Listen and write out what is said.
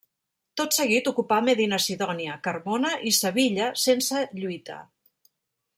Tot seguit ocupà Medina-Sidònia, Carmona i Sevilla sense lluita.